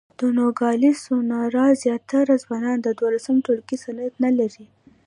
د نوګالس سونورا زیاتره ځوانان د دولسم ټولګي سند نه لري.